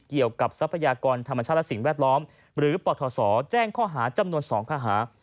เกี่ยวกับทรัพยากรธรรมชาติและสิ่งแวดล้อมหรือปลอดทศแจ้งข้อหาจำนวน๒ค่า